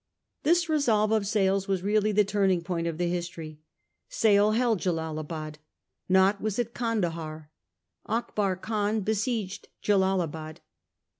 This resolve of Sale's was really the turn ing point of the history. Sale held Jellalabad ; Nott was at Candahar. Akbar Khan besieged Jellalabad.